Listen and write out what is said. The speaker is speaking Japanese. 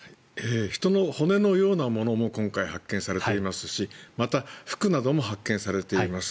人の骨のようなものも今回、発見されていますしまた服なども発見されています。